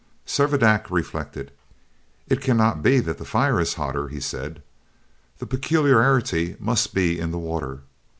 Servadac reflected. "It cannot be that the fire is hotter," he said, "the peculiarity must be in the water."